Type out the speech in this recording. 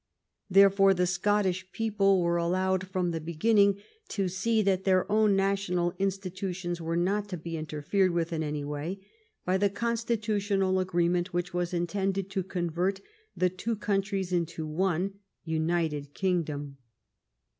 Therefore, the Scottish people were allow ed from the beginning to see that their own national institutions were not to be interfered with in any way by the constitutional agreement which was intended to convert the two countries into one United Kingdom.